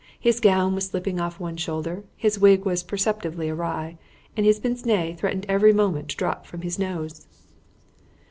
His gown was slipping off one shoulder, his wig was perceptibly awry, and his pince nez threatened every moment to drop from his nose.